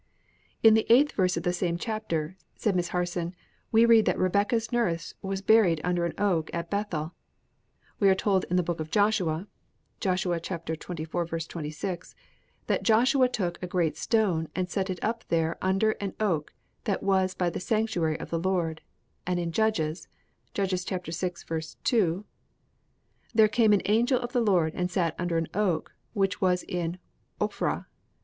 '" "In the eighth verse of the same chapter," said Miss Harson, "we read that Rebekah's nurse was buried under an oak at Bethel. We are told in the book of Joshua that 'Joshua took a great stone and set it up there under an oak, that was by the sanctuary of the Lord;' and in Judges, 'There came an angel of the Lord and sat under an oak which was in Ophrah.'